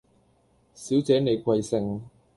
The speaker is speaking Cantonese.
小姐你貴姓